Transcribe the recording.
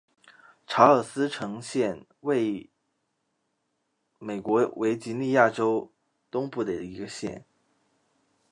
查尔斯城县位美国维吉尼亚州东部的一个县。